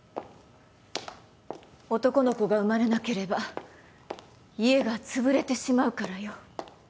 男の子が生まれなければ家がつぶれてしまうからよ。